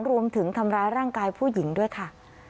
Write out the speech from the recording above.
รวมถึงทำร้ายร่างกายผู้หญิงด้วยค่ะ